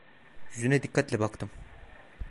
Yüzüne dikkatle baktım…